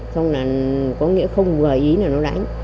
xong là có nghĩa không gợi ý là nó đánh